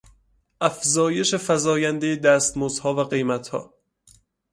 افزایش فزایندهی دستمزدها و قیمتها